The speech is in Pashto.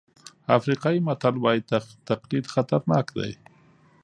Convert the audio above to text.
افریقایي متل وایي تقلید خطرناک دی.